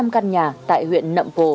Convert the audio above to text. sáu trăm linh căn nhà tại huyện nậm pồ